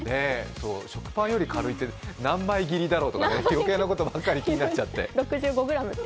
食パンより軽いって何枚切りだろうとか余計なことばっかり気になっちゃって。